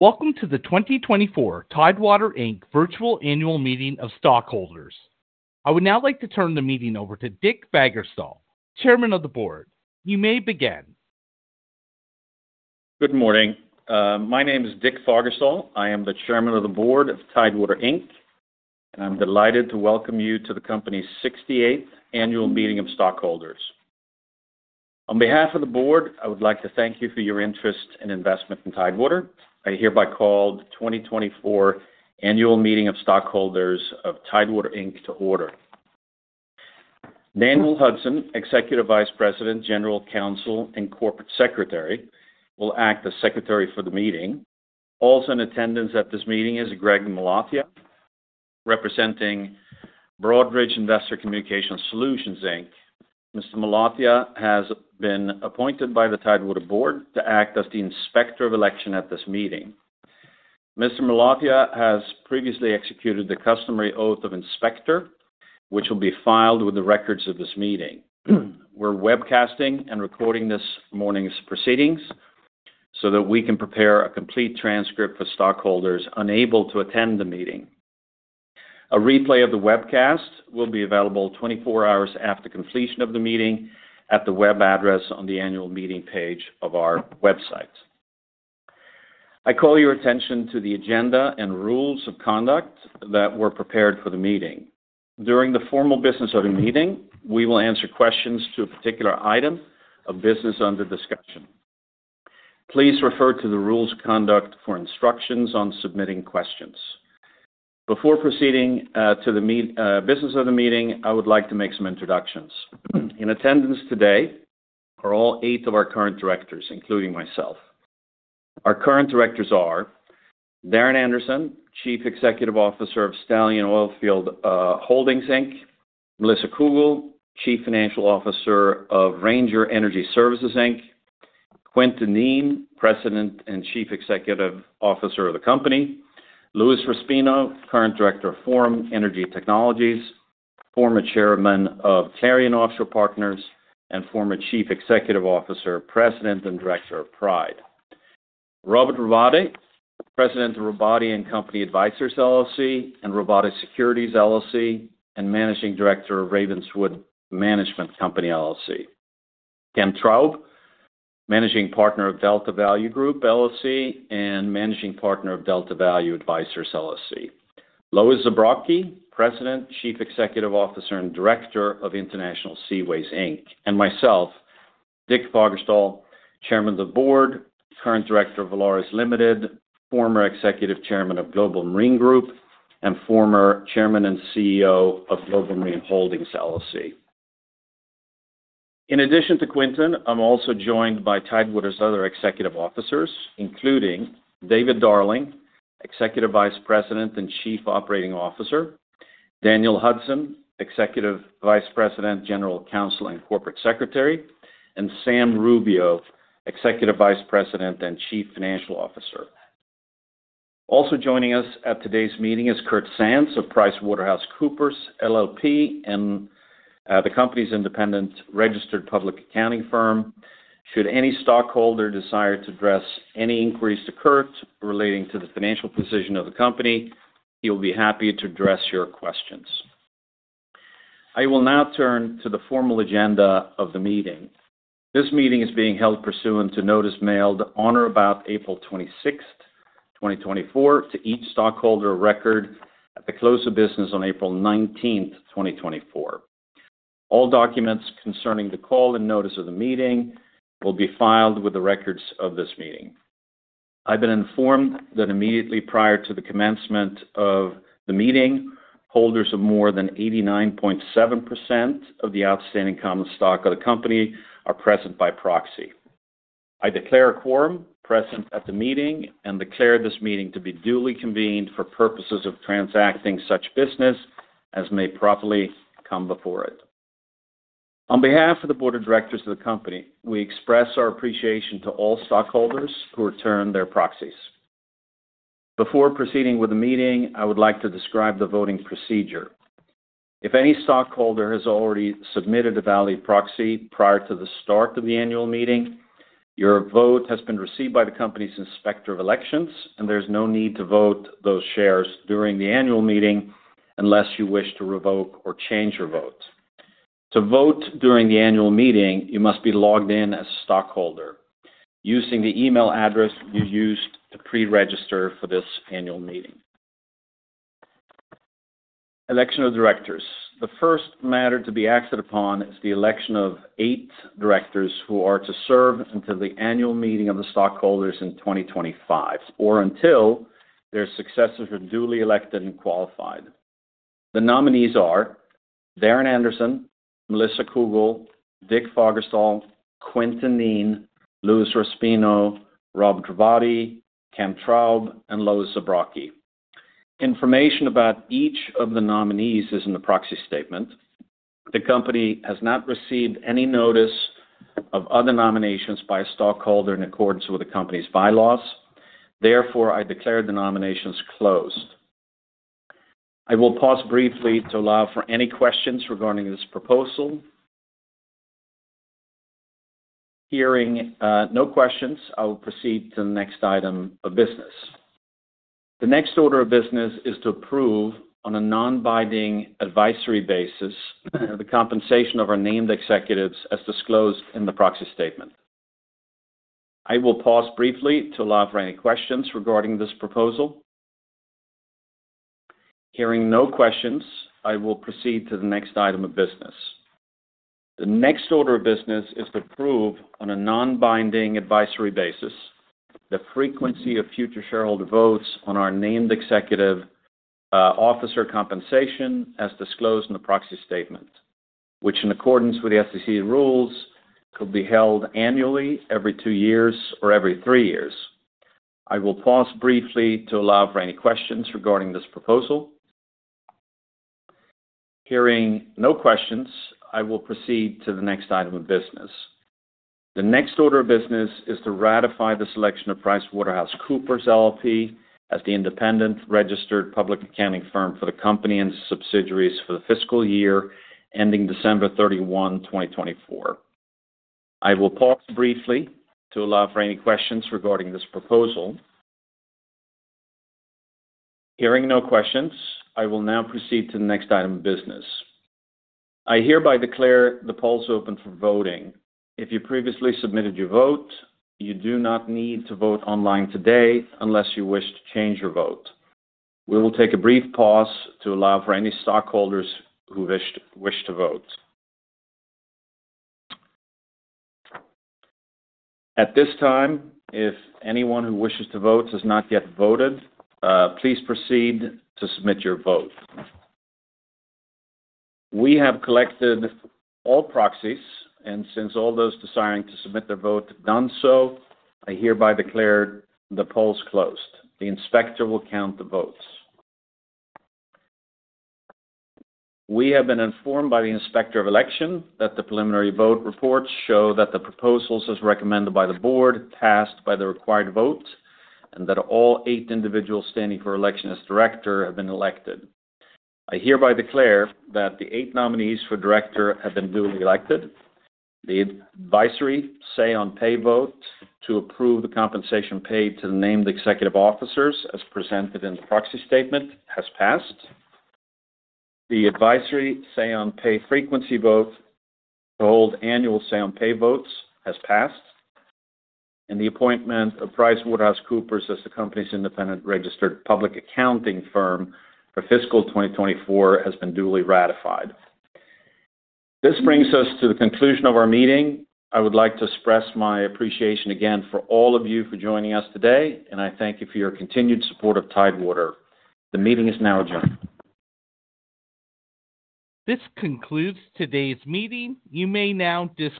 Welcome to the 2024 Tidewater Inc. virtual annual meeting of stockholders. I would now like to turn the meeting over to Dick Fagerstal, Chairman of the Board. You may begin. Good morning. My name is Dick Fagerstal. I am the Chairman of the Board of Tidewater Inc., and I'm delighted to welcome you to the company's 68 annual meeting of stockholders. On behalf of the board, I would like to thank you for your interest and investment in Tidewater. I hereby call the 2024 annual meeting of stockholders of Tidewater Inc. to order. Daniel Hudson, Executive Vice President, General Counsel, and Corporate Secretary, will act as secretary for the meeting. Also in attendance at this meeting is Greg Malatia, representing Broadridge Investor Communications Solutions, Inc. Mr. Malatia has been appointed by the Tidewater Board to act as the Inspector of Election at this meeting. Mr. Malatia has previously executed the customary oath of Inspector, which will be filed with the records of this meeting. We're webcasting and recording this morning's proceedings so that we can prepare a complete transcript for stockholders unable to attend the meeting. A replay of the webcast will be available 24 hours after completion of the meeting at the web address on the annual meeting page of our website. I call your attention to the agenda and rules of conduct that were prepared for the meeting. During the formal business of the meeting, we will answer questions to a particular item of business under discussion. Please refer to the rules of conduct for instructions on submitting questions. Before proceeding to the business of the meeting, I would like to make some introductions. In attendance today are all eight of our current directors, including myself. Our current directors are Darron Anderson, Chief Executive Officer of Stallion Oilfield Holdings, Inc.; Melissa Cougle, Chief Financial Officer of Ranger Energy Services, Inc.; Quintin Kneen, President and Chief Executive Officer of the company; Louis Raspino, current Director of Forum Energy Technologies, former Chairman of Clarion Offshore Partners, and former Chief Executive Officer, President, and Director of Pride. Robert Robotti, President of Robotti & Company Advisors, LLC, and Robotti Securities, LLC, and Managing Director of Ravenswood Management Company, LLC. Ken Traub, Managing Partner of Delta Value Group, LLC, and Managing Partner of Delta Value Advisors, LLC. Lois Zabrocky, President, Chief Executive Officer, and Director of International Seaways, Inc. And myself, Dick Fagerstal, Chairman of the Board, current Director of Valaris Limited, former Executive Chairman of Global Marine Group, and former Chairman and CEO of Global Marine Holdings, LLC. In addition to Quintin, I'm also joined by Tidewater's other executive officers, including David Darling, Executive Vice President and Chief Operating Officer, Daniel Hudson, Executive Vice President, General Counsel, and Corporate Secretary, and Sam Rubio, Executive Vice President and Chief Financial Officer. Also joining us at today's meeting is Curt Sands of PricewaterhouseCoopers, LLP, and the company's independent registered public accounting firm. Should any stockholder desire to address any inquiries to Curt relating to the financial position of the company, he'll be happy to address your questions. I will now turn to the formal agenda of the meeting. This meeting is being held pursuant to notice mailed on or about April twenty-sixth, twenty twenty-four, to each stockholder record at the close of business on April nineteenth, twenty twenty-four. All documents concerning the call and notice of the meeting will be filed with the records of this meeting. I've been informed that immediately prior to the commencement of the meeting, holders of more than 89.7% of the outstanding common stock of the company are present by proxy. I declare a quorum present at the meeting and declare this meeting to be duly convened for purposes of transacting such business as may properly come before it. On behalf of the board of directors of the company, we express our appreciation to all stockholders who returned their proxies. Before proceeding with the meeting, I would like to describe the voting procedure. If any stockholder has already submitted a valid proxy prior to the start of the annual meeting, your vote has been received by the company's Inspector of Elections, and there's no need to vote those shares during the annual meeting unless you wish to revoke or change your vote. To vote during the annual meeting, you must be logged in as a stockholder using the email address you used to pre-register for this annual meeting. Election of directors. The first matter to be acted upon is the election of eight directors who are to serve until the annual meeting of the stockholders in 2025 or until their successors are duly elected and qualified. The nominees are Darron Anderson, Melissa Cougle, Dick Fagerstal, Quintin Kneen, Louis Raspino, Robert Robotti, Ken Traub, and Lois Zabrocky. Information about each of the nominees is in the proxy statement. The company has not received any notice of other nominations by a stockholder in accordance with the company's bylaws. Therefore, I declare the nominations closed. I will pause briefly to allow for any questions regarding this proposal.... Hearing no questions, I will proceed to the next item of business. The next order of business is to approve, on a non-binding advisory basis, the compensation of our named executives as disclosed in the proxy statement. I will pause briefly to allow for any questions regarding this proposal. Hearing no questions, I will proceed to the next item of business. The next order of business is to approve, on a non-binding advisory basis, the frequency of future shareholder votes on our named executive officer compensation, as disclosed in the proxy statement, which, in accordance with the SEC rules, could be held annually every two years or every three years. I will pause briefly to allow for any questions regarding this proposal. Hearing no questions, I will proceed to the next item of business. The next order of business is to ratify the selection of PricewaterhouseCoopers, LLP, as the independent registered public accounting firm for the company and its subsidiaries for the fiscal year ending December 31, 2024. I will pause briefly to allow for any questions regarding this proposal. Hearing no questions, I will now proceed to the next item of business. I hereby declare the polls open for voting. If you previously submitted your vote, you do not need to vote online today unless you wish to change your vote. We will take a brief pause to allow for any stockholders who wish to, wish to vote. At this time, if anyone who wishes to vote has not yet voted, please proceed to submit your vote. We have collected all proxies, and since all those desiring to submit their vote have done so, I hereby declare the polls closed. The Inspector will count the votes. We have been informed by the Inspector of Election that the preliminary vote reports show that the proposals, as recommended by the board, passed by the required votes, and that all eight individuals standing for election as director have been elected. I hereby declare that the eight nominees for director have been duly elected. The advisory say-on-pay vote to approve the compensation paid to the named executive officers, as presented in the proxy statement, has passed. The advisory say-on-pay frequency vote to hold annual say-on-pay votes has passed, and the appointment of PricewaterhouseCoopers as the company's independent registered public accounting firm for fiscal 2024 has been duly ratified. This brings us to the conclusion of our meeting. I would like to express my appreciation again for all of you for joining us today, and I thank you for your continued support of Tidewater. The meeting is now adjourned. This concludes today's meeting. You may now dis-